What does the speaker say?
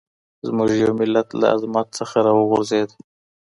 زموږ يو ملت له عظمت څخه راوغورځېد.